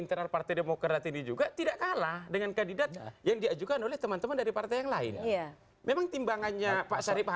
tetap bersama kami di layar demokrasi